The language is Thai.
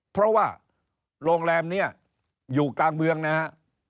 เพราะว่าโรงแรมนี้อยู่กลางเมืองนะฮะ